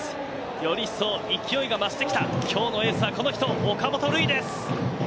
より一層勢いが増してきた、きょうのエースはこの人、岡本琉奨です。